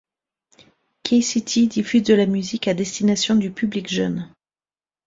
K-City diffuse de la musique à destination du public jeune.